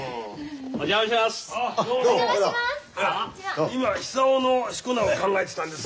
お邪魔します！